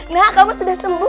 nah kamu sudah sembuh